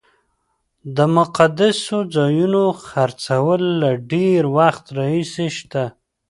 د مقدسو ځایونو خرڅول له ډېر وخت راهیسې شته.